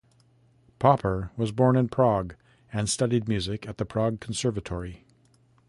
Popper was born in Prague, and studied music at the Prague Conservatory.